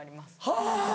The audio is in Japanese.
はぁ！